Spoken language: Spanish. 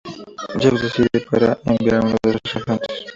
Jeff decide para enviar a uno de sus agentes.